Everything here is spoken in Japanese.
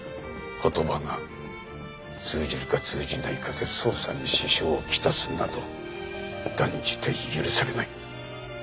言葉が通じるか通じないかで捜査に支障をきたすなど断じて許されない。